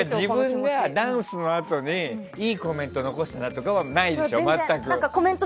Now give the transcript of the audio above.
自分がダンスのあとにいいコメント残したなとかはないでしょ？